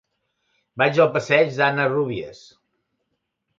Vaig al passeig d'Anna Rúbies.